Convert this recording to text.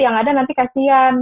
yang ada nanti kasihan